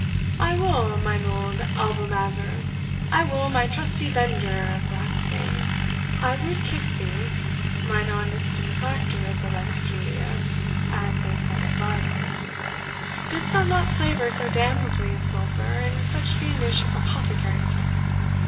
"I will, mine old Albumazar I will, my trusty vender of ratsbane. I would kiss thee, mine honest infractor of the Lex Julia (as they said at Leyden), didst thou not flavour so damnably of sulphur, and such fiendish apothecary's stuff.